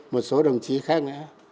một số đồng chí khác nữa